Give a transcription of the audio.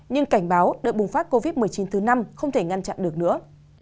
nhưng cảnh báo đợt bùng phát covid một mươi chín thứ năm không thể ngăn chặn được nữa